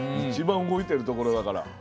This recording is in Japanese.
一番動いてるところだから。